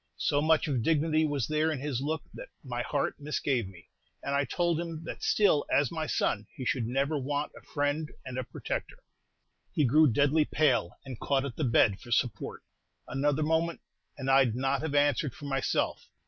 So much of dignity was there in his look that my heart misgave me; and I told him that still, as my son, he should never want a friend and a protector. He grew deadly pale, and caught at the bed for support. Another moment, and I 'd not have answered for myself.